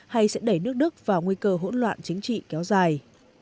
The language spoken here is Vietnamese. hay sẽ đẩy nước đức vào nguy cơ hỗn loạn chính trị kéo dài